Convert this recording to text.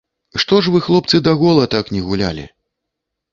Што ж вы, хлопцы, да гола так не гулялі?